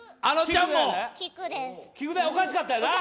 聴くでおかしかったよな？